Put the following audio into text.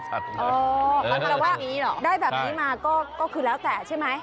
เขาบอกว่าได้แบบนี้มาก็คือแล้วแต่ใช่ไหม